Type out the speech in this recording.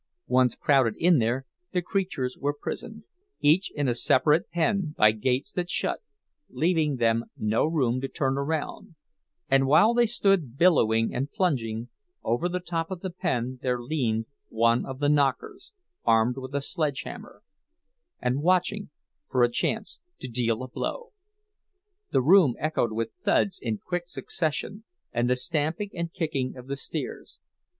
Once crowded in here, the creatures were prisoned, each in a separate pen, by gates that shut, leaving them no room to turn around; and while they stood bellowing and plunging, over the top of the pen there leaned one of the "knockers," armed with a sledge hammer, and watching for a chance to deal a blow. The room echoed with the thuds in quick succession, and the stamping and kicking of the steers.